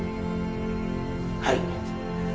はい。